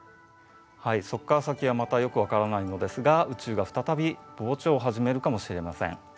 はいそこから先はまたよく分からないのですが宇宙が再び膨張をはじめるかもしれません。